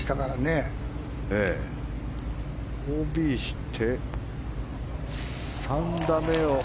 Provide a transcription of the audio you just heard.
ＯＢして３打目を。